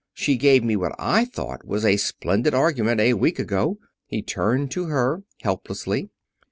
She gave me what I thought was a splendid argument a week ago." He turned to her helplessly.